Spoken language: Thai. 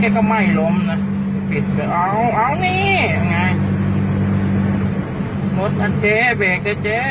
ไหนมาเนี่ยเนี่ยก็ไม่ล้มนะเอาเอานี่ยังไงรถอันเจ๊เบกเจ๊เจ๊